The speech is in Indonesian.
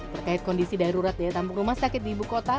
terkait kondisi darurat daya tampung rumah sakit di ibu kota